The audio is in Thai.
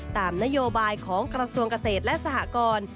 ตามนโยบายของกระทรวงเกษตรและสหกร